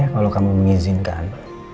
ya kalau kamu mengizinkan